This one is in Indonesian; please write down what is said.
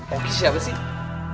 oki siapa sih